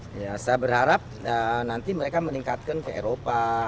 saya berharap nanti mereka meningkatkan ke eropa